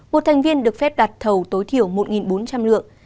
một thành viên được phép đặt thầu tối thiểu một bốn trăm linh lượng